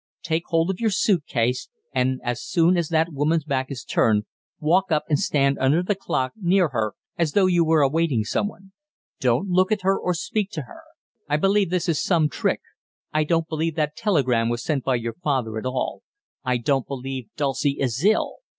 Take hold of your suit case, and, as soon as that woman's back is turned, walk up and stand under the clock, near her, as though you were awaiting someone. Don't look at her or speak to her. I believe this is some trick. I don't believe that telegram was sent by your father at all. I don't believe Dulcie is ill.